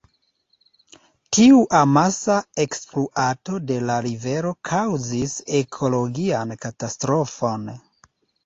Tiu amasa ekspluato de la rivero kaŭzis ekologian katastrofon.